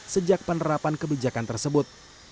sejak penerapan kebijakan tersebut